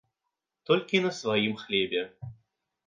Толькі на сваім хлебе.